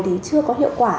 thì chưa có hiệu quả